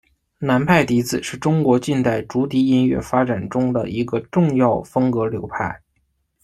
南派笛子是中国近代竹笛音乐发展中的一个重要风格流派。